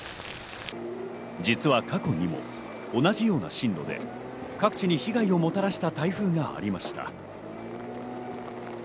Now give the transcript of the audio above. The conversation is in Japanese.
実は過去にも同じような進路で各地に被害をもたらした台風がありました。